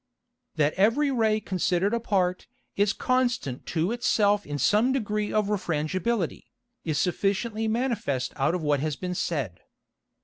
_ That every Ray consider'd apart, is constant to it self in some degree of Refrangibility, is sufficiently manifest out of what has been said.